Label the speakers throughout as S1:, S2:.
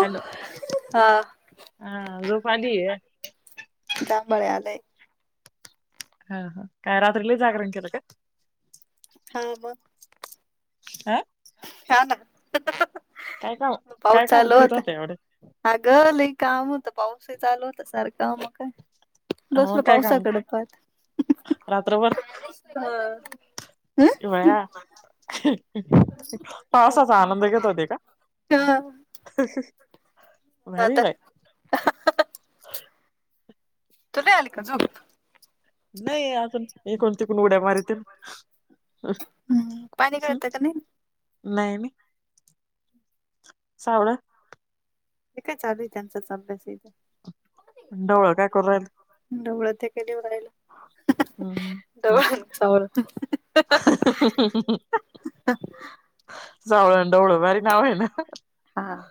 S1: Hello
S2: हा
S1: हा झोपाली आली आहे.
S2: जांमुळेळलेय
S1: हा हा काय रात्रीला जागरण केलं का?
S2: हा म
S1: हं
S2: हा ना
S1: काय काम
S2: म पाऊस
S1: काय काम
S2: चालू
S1: करीत
S2: होत
S1: होत्या एवढे
S2: हा गल एक काम होत पाऊस चालू होता सारखं मग काय
S1: हो
S2: बसल
S1: काय काम
S2: पावसाकडे पात
S1: रात्रभर
S2: हा ह हम
S1: डोळा पावसाचा आनंद घेत होते का?
S2: हा
S1: भारी
S2: आता
S1: बाय
S2: तुला आली का झू
S1: नाही अजून हे कोणती कोण उड्या मारतील
S2: पाणी गळत का नाही
S1: लाईनी सावळ
S2: ते काय चालूल त्यांचाच अभ्यास आहेथ
S1: उंडवळ काय करु रही
S2: डवळं ते केली व रायला डवळ सामोर
S1: जावळ डवळं भारी नाव आहे ना
S2: हा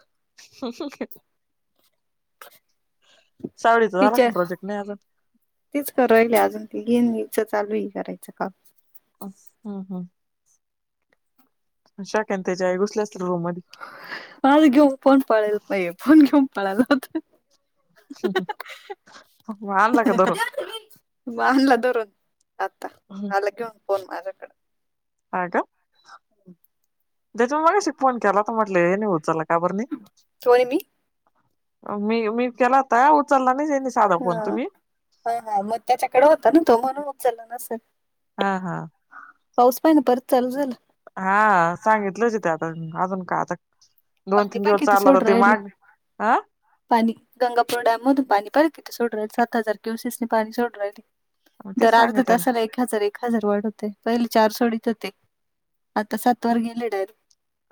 S1: सावडीच झाला का प्रोजेक्ट नाही आजून
S2: तेच करायला अजून ते येईनचं चालू ह करायचं काम
S1: अस हा हा शाकन त्याच्या आहे घुसल्या असत रूम मध्ये
S2: आज घेऊ पोण पडेल पा पोण घेऊन पडेल होत
S1: मग आणला का धरून
S2: बांधला धरून आता,
S1: हं.
S2: आला घेऊन फोन माझ्याकडं.
S1: हा का, त्याच्या मगाशि फोन केला तर म्हटले हेनी उचलला काबर नाही,
S2: कोणी मी
S1: मी मी केलाता उचलला नाही साधा फोन
S2: हा
S1: तुम्ही
S2: हा हा मग त्याच्याकडे होता ना तो, म्हणुन मग उचला नसल.
S1: हा हा.
S2: पाऊस पाहि ना परत चालू झाला.
S1: हा, सांगितलं हो ते आता, अजून काय आता दोन
S2: पाणी
S1: तीन
S2: पाय
S1: दिवस
S2: किती
S1: चालला
S2: सोडू
S1: तर ते
S2: राहिले
S1: माग, हं.
S2: पाणी, गंगापूर डॅम मधून पाणी पड किथे सोड राल सात हजार क्युसेस पाणी सोड राल.
S1: तेच
S2: दर अर्धा
S1: सांगते ना.
S2: तासाला एक हजार एक. हजरवाड होतय, पहिले चार सोडीत होते, आता सात वर गेले डायरेक्ट.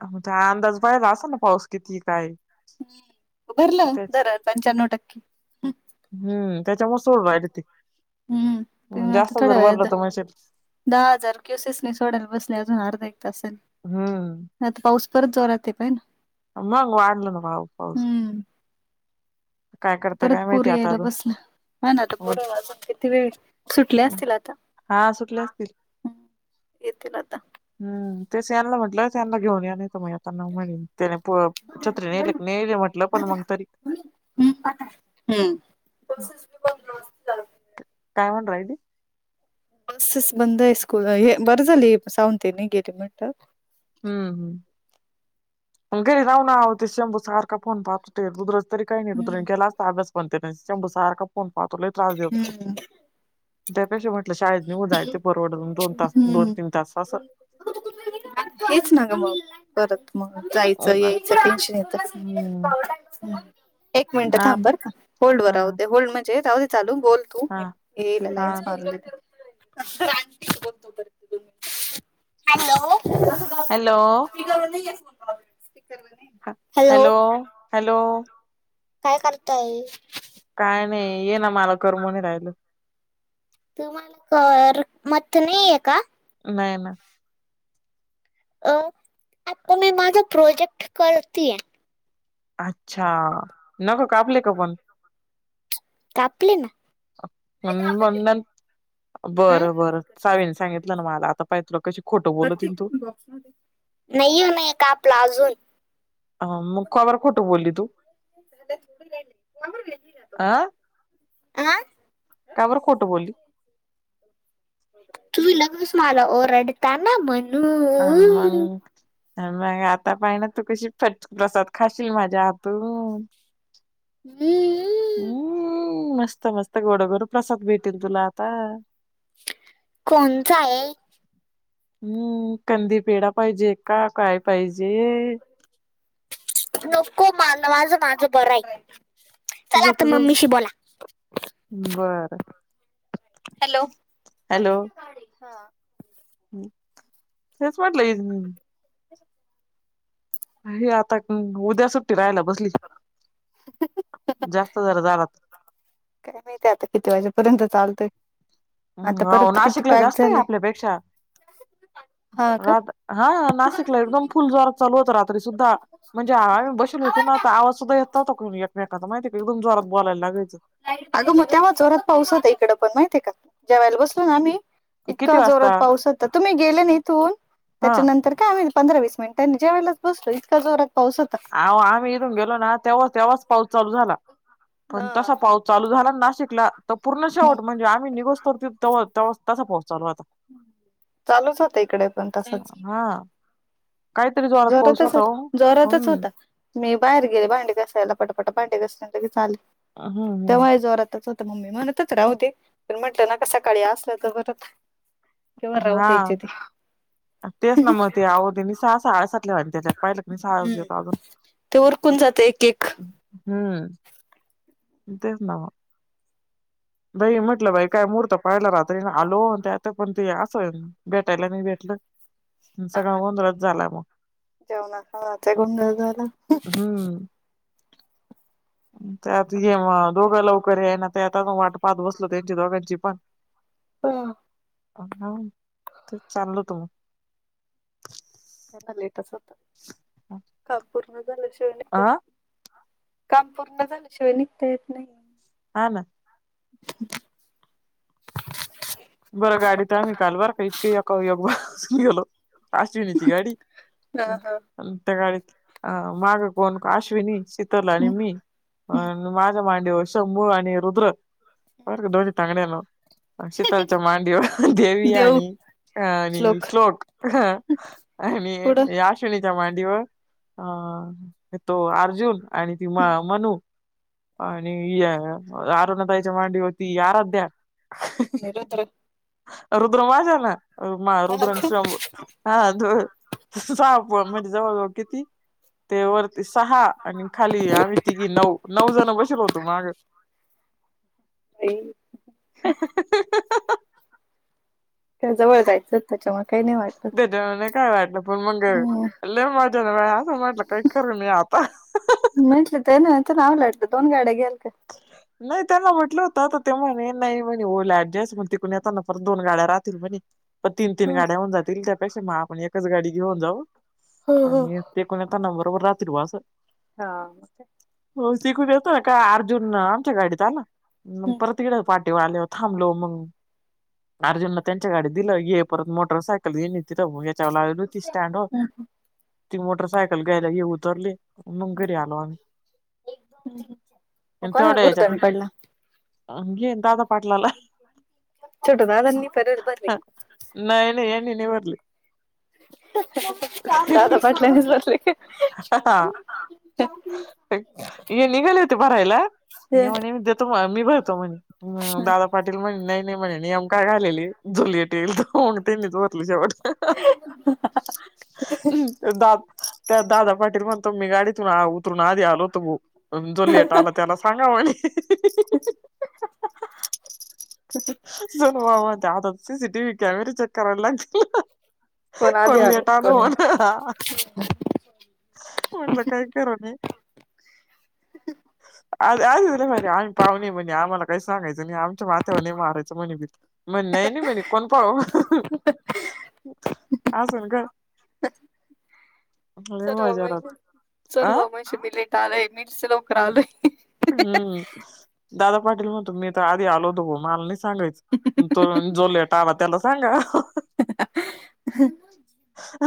S1: आमचा अंदाज पायला असा ना पाऊस किती काय.
S2: हम्म उ, भरलं
S1: त्याच
S2: धरन पंच्याण्णव टक्के.
S1: हम्म, त्याच्यामुळे सोडू राहिले ते,
S2: हम्म पण आता
S1: जास्त जर
S2: थोड्या
S1: भरलं
S2: वेळात
S1: तर म्हणसे
S2: दहा हजार क्युसेसने सोडायला बसले अजून अर्धा एक तासाने.
S1: हम्म.
S2: आता पाऊस परत जोरात पहि ना.
S1: मंग वाढलं ना पाऊस पाऊस
S2: हम्म
S1: काय करता
S2: परत
S1: काय
S2: पूर
S1: माहिती आता
S2: यायला
S1: अजून
S2: बसलं, ह ना तर पोर
S1: मग-
S2: वाजून किती वेळ, सुटले असतील आता.
S1: हा सुटले असतील.
S2: येतील आता.
S1: हम्म तेच हना म्हटलं, त्यांना घेऊन या नाहीेत मग आता ना म्हन त्याने छत्री ने, नेले म्हटलं पण मग तरी,
S2: हम् हम्म.
S1: हम्म.
S2: बसेस
S1: काय म्हण राहिेले?
S2: बसेस बंद स्कूल, हे बर झाली सावंत येनी गेली म्हटलं.
S1: हम्म हम्म, मग घरी राहून अवो ते शंभू सारखा फोन पाहत होते गुदर तरी काही नाही केला
S2: हम्म
S1: असता अभ्यास पन शंभु सारखा फोन पातो लय त्रास देतो. त्यापेक्षा म्हटलं शाळेत मी उद्या ते परवडल, दोन तास दोन तीन तास असं.
S2: हेच ना ग मग परत. मग जायचं यायचं टेन्शन
S1: हम्म
S2: येतं. एक मिनिट
S1: हा
S2: थांब
S1: त-
S2: बर का, होल्ड वर
S1: हा
S2: राहु दे, होल्ड म्हणजे राहुदे चालू बोल तु,
S1: हा
S2: येलना
S1: हा
S2: टी कोणतो करत तुम्ही हॅलो
S1: हॅलो.
S2: स्पिकर वर नाहीये कर न नाही
S1: ह हॅलो हॅलो.
S2: काय करताय?
S1: काय नाही, ये ना मला करमना राहिलं.
S2: तुम्हाला करमत नाहीये का?
S1: नाही नाही.
S2: अ आता मी माझा प्रोजेक्ट करतीय.
S1: अच्छा, नक कापले का पण?
S2: कापले ना.
S1: म्हणण.
S2: हा
S1: बरं बरं सावीने सांगितलं ना मला आता पाहितलं कशी खोटं बोलत त तू.
S2: नाही हो नाहीये कापल अजून.
S1: अ मग कबर खोटू बोलली तू. अं
S2: हा
S1: कापर खोटं बोलली.
S2: तुम्ही लगच मला ओरडता ना म्हण.
S1: आमंग. मग आता पाहि ना तू कशी फटके प्रसाद खाशील माझ्या हातून.
S2: हम्.
S1: हम् मस्त मस्त गोडगर प्रसाद भेटेल तुला आता.
S2: कोणता आहे.
S1: हम्म कंदी पेढा पाहिजे का काय पाहिजे.
S2: नको म माझं माझं बरं आहे.
S1: तझ
S2: चला आता
S1: तस
S2: मम्मीशी बोला
S1: बर.
S2: हॅलो.
S1: हेच म्हटलं. हे आता उद्या सुट्टी राहायला बसली.
S2: [unintelligible]
S1: जास्त जरा झाला.
S2: काय मी ते आता किती वाजेपर्यंत चालतय.
S1: हम्
S2: आता
S1: हो
S2: परत किती
S1: नाशिकला
S2: पॅक
S1: जास्त आहे
S2: झाले
S1: आपल्यापेक्षा.
S2: हा का
S1: रात हा नाशिकला एकदम फुल जोरात चालू होता रात्री सुद्धा. म्हणजे आम्ही बशीलो होतो ना आवाज सुद्धा येत नव्हता का कोणी एकमेकांच माहिती का एकदम जोरात बोलायला लागयचं.
S2: अगं मग तेव्हा जोरात पाऊस होता इकडं पण माहितीय का? ज्या वेळेला बसलो ना आम्ही.
S1: किती
S2: इतका जोरात
S1: वाजता
S2: पाऊस होता. तुम्ही गेले ना इथुन
S1: हा
S2: त्याच्यानंतर काय आम्ही. पंधरा वीस मिनिटांनी जेवायलाच बसलो इतका जोरात पाऊस होता.
S1: अह आम्ही इथून गेलो ना तेव्हा तेव्हाच पाऊस चालू झाला पण तसा
S2: हम्म
S1: पाऊस. चालू झाला नाशिकला तर पूर्ण शेवट म्हणजे आम्ही निघोस तर तसा पाऊस चालू आता.
S2: चालूच होते इकडे पण तसंच.
S1: हा काहीतरी जोरात पाऊस
S2: जोरातच
S1: होता
S2: होत्
S1: ओ
S2: जोरातच होता.
S1: हम्म
S2: मी बाहेर गेले भांडी घासायला पटापटा भांडी घासले आणि लगेच आले
S1: हम्म हम्म
S2: तेव्हाही जोरातच हो. तर मम्मी म्हणतं होत्या राहुदे, पण म्हटलं नको सकाळी असलं तर परत. केव्हा राहु
S1: हा
S2: द्यायचे ते.
S1: तेच ना मग ते आहो त्यांनी सहा साडे सात. ला आणि त्या पाहिलं कनी सहा
S2: हम्म
S1: वाजल्यात अजून
S2: ते उरकून जात एक एक
S1: हम्म. तेच ना म. बाई म्हटलं बाई काय महूर्त पाहिला रात्री आणि आलो ते आता पण ते असं. भेटायला नाही भेटलं. सगळा
S2: हा
S1: गोंधळच झालाय मग
S2: जेवणा खावणाचा गोंधळ झाला.
S1: हम्म. त्यात ये दोघं लवकर येईना ते आता वाट पाहत बसलो त्यांची दोघांची पण.
S2: ह.
S1: तर चाललो त मग.
S2: त्यांना लेटच होतं, काम पूर्ण झाल्या शिवाय निघता ये
S1: हा
S2: कामं पूर्ण झाल्यांशिवाय निघतां येतं नाहीं.
S1: हां नां.
S2: हंहं
S1: बरं गांडीत आम्हीं कांल बरं कां! इतके एकांवर एक बसुंन गेलो. अश्विनीची गांडी
S2: हा
S1: अंस
S2: हा.
S1: अं त्यां गांडीत अं मागं कोणं अश्विनी शितल आणि मी
S2: हम्म
S1: अं माझ्यां मांडीवर शंभू आणि रुद्र बर‌ं कां दोन्ही तांगड्यांवर शितलच्यां मांडीवर देवी
S2: देव
S1: आणि अं आणि श्लोक अं. आणि
S2: पुढं
S1: ये आं आश्विणीच्या मांडीवर अं तो अर्जुन आणि ती मं मनु. आणि त्यां अरुणा ताईच्यां मांडीवर ती आंराध्या.
S2: आणि रुद्र
S1: रुद्र माझ्यां नां रुद्र आणि शंभु. हां सहा पोरं म्हणजे जवळंजवळं किती? ते वरती सहा आणि खांली आम्हीं तिघी नऊ नऊ जणं बसिलो होतो मागं. [unintelligible]
S2: आईनं कायं जवळं जायचं त्यांच्यामुळे कांहीं नाहीं होतं
S1: त्यां डाॅयव्हरले कायं वाटलं पणं मंग
S2: हम्म
S1: लंय मजां बाई आंता म्हणलं कांहीं नाहीं खरं नाहीं आंता.
S2: म्हंटले ते नाहीं तरं नांव लटलं दोन गाड्यां घ्यालं कां?
S1: खुलं नाहीं त्यांनां म्हटलं होतं तरं ते म्हणे नाहीं म्हणे हुंल ऍडजस्ट म्हंण तिकडूंन येतांना परंत दोन गाड्यां राहतील म्हंणे. मं तीनं तीनं गाड्यांहन जातील त्यांपेक्षा मंग आपणं एकचं गांडी घेऊंन जाऊं
S2: हा
S1: आणि ते कोणी त्यां नंबरवरं रात्री वासं
S2: हां
S1: हो तिकूंन येतांना कायं अर्जुन आमच्या गांडीत आंला परंत तिकडं पा ते आल्यांव थांबलो मंग. अर्जुनला त्यांच्या गांडीत दिलं ये परंत मोटरसांयकल घेणे तिं लागलं ती स्टँडवरं हो ती मोटरसांयकल घ्यांयला हे उतरले मंग घरी आंलो आम्हीं
S2: एक दो मि नाहीं
S1: तेवढं येचातं आनखी एवढं दाजां
S2: छोटुं दादांनी परंत भरलयं
S1: नाहीं नाहीं यांनी नाही भरलेय.
S2: दादा पाटल्यांनेच भरले
S1: हा हे निघाले होते भरांयला, हे म्हणे मी देतो मी भरतो म्हणे दादा पाटील म्हणे नाहीं नाहीं म्हणे आंम कायं घालेली झुंलली टेलं तरं मंग त्यांनीच भरली शेवटं. दां त्यां दादा पाटील म्हणतो मी गांडीतूंन उतरूंन आंधी आलो होतो भाऊ, पणं जो लेटं आंला त्यांला सांगा म्हंणे सर्वात त्यांत C C T V camera check करांयला लागतील. कोणं लेटं आलं होनं हां.
S2: हं
S1: म्हटलं काय खरं नाही. आ आच रे मारे आम्ही पाहणे म्हणे, आम्हांला काही सांगायंच नाही. मात्यावर नाही मारायचं म्हणे, म्हणे नाही नाही, म्हणे कोण पाउ अजून काय लय
S2: चल बा
S1: मजा राहते
S2: म्हन सलू
S1: आ
S2: बा म्हशी मी लेट आलय, मी तच लवकर आलोय.
S1: हूं.., दादा पाटील म्हणतो, मी तर आधी आलोतो बा मला नाही सांगायच.
S2: [unintelligible]
S1: तो, जो लेटा आला, त्याला सांगा.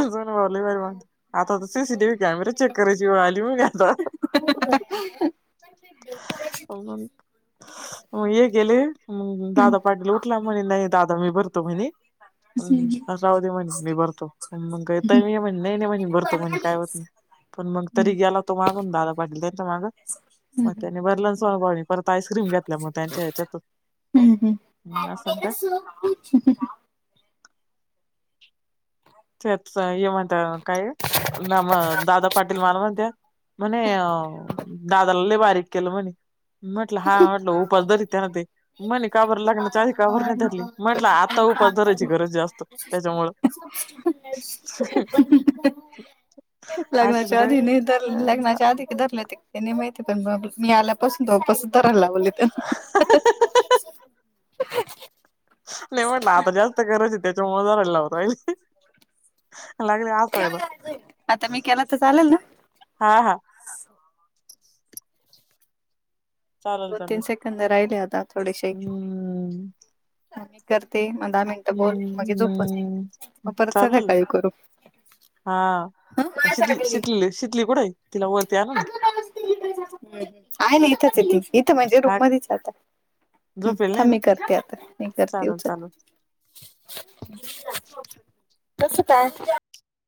S1: अजून बले बारी म्हणे, आता सीसीटीव्ही कॅमेरा चेक करायची वेळ आली मग आता.
S2: [inaudible]
S1: हो मंग. मग यहे गेले,
S2: हम्म
S1: दादा पाटिला उठला म्हणे, नाही दादा मी भरतो म्हणे, हम्, अस राहते म्हणे मी भरतो, मग का मी म्हणे नाही नाही म्हणे, भरतो म्हणे काय होत नाही. पण मग तरी गेला तो मागून, दादा पाटिलं त्याच्या माग पन त्यानि भरल ना सोळा [unintelligible] परत आईस्क्रीम घेतल्या मग त्यांच्या ह्याच्यातून्,, असं काय,
S2: [unintelligible]
S1: तयात सा ये मत, कायऽ नाम दादाऽ पाटील माला मनत्या, म्हणे, अऽ दादाला लाई बारीक केलं म्हणे,, म्हटलं हा, म्हटलं उपासधरीऽ तेना ते मणे का बरं, लग्नाच्या आधी का बरं त्याच्यामुळं
S2: [unintelligible]
S1: [unintelligible] असेल
S2: लग्नाच्या आधी नाही धरला, लग्नाच्या
S1: काय
S2: आधीऽ धरलं ते, त्यांनी माहिती पण मी आल्यापासून तर उपसऽऽ करा लावले त्यांना.....
S1: नाही म्हटलं आता, जास्त गरज ये त्याच्यामुळे धरायला लावलं होतं.
S2: [unintelligible] आता मी केला तर चालेल ना?
S1: हा हा. चालेल
S2: दोन- तीन
S1: चालेल
S2: सेकंद राहिले आता थोडेसे.
S1: हम्म
S2: मग मी करते, मग दहा मिनटं बोल, मगे
S1: हम्म
S2: झोपच,
S1: हम्म
S2: परत संध्याकाळी करू.
S1: हां अं शितली, शितली कुठं आहे, तिला वरती आणा ना.
S2: आहे ना इथंच आहे ती इथं म्हणजे
S1: हा
S2: रूम मधीच आहे आता. हंं
S1: झोपेल
S2: थांब,
S1: नाही ना
S2: मी करते आता, मी करते
S1: चालेल
S2: उचल.
S1: चालेल [unintelligible]
S2: कसं काय